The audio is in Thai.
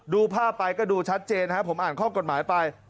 ดูภาพไปก็ดูชัดเจนนะครับผมอ่านข้อกฎหมายไป